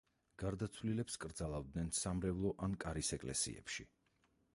გარდაცვლილებს კრძალავდნენ სამრევლო ან კარის ეკლესიებში.